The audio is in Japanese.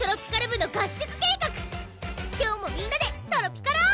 今日もみんなでトロピカろう！